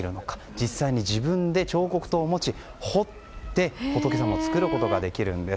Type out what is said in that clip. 実際に自分で、彫刻刀を持ち彫って仏様を作ることができるんです。